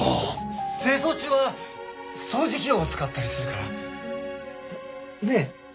清掃中は掃除機を使ったりするから。ねねえ？